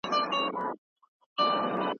افغانستان یو داسي هيواد دی، چي لږ تر لږه نسبي